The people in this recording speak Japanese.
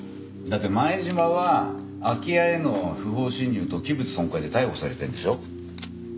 だって前島は空き家への不法侵入と器物損壊で逮捕されてるんでしょ？